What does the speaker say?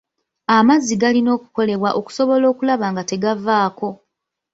Amazzi galina okukolebwa okusobola okulaba nga tegavaako.